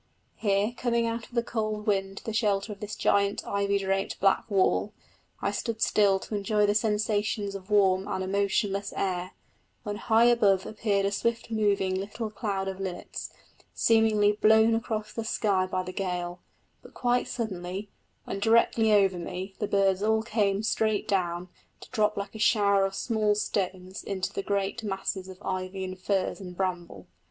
Here, coming out of the cold wind to the shelter of this giant ivy draped black wall, I stood still to enjoy the sensations of warmth and a motionless air, when high above appeared a swift moving little cloud of linnets, seemingly blown across the sky by the gale; but quite suddenly, when directly over me, the birds all came straight down, to drop like a shower of small stones into the great masses of ivy and furze and bramble.